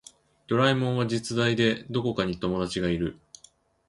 ドラえもんは実在でどこかに友達がいる